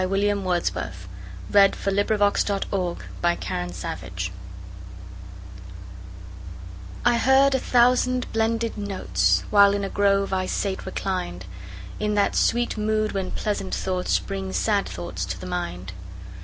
William Wordsworth Lines Written in Early Spring I HEARD a thousand blended notes, While in a grove I sate reclined, In that sweet mood when pleasant thoughts Bring sad thoughts to the mind.